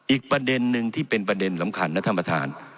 อีกประเด็นหนึ่งที่เป็นประเด็นสำคัญนะท่านประธาน